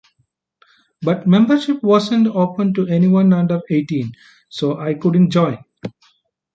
But membership wasn't open to anyone under eighteen, so I couldn't join.